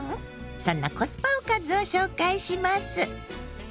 そんなコスパおかずを紹介します。